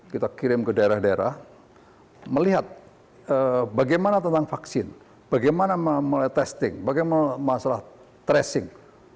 kita kirim ke daerah daerah melihat bagaimana tentang vaksin bagaimana mulai testing bagaimana masalah tracing